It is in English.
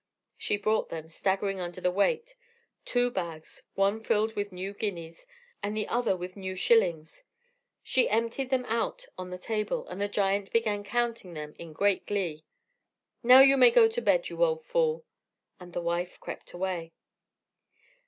She brought them, staggering under the weight: two bags one filled with new guineas, and the other with new shillings; she emptied them out on the table, and the giant began counting them in great glee. "Now you may go to bed, you old fool." So the wife crept away.